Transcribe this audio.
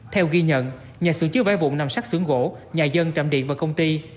theo ghi nhận nhà xưởng chứa vái vụn nằm sát xưởng gỗ nhà dân trạm điện và công ty